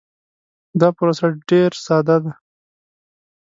دا پروسه ډیر ساده ده.